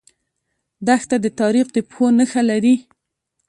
دښته د تاریخ د پښو نخښه لري.